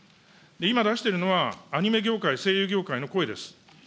今出してるのはアニメ業界、声優業界の声です。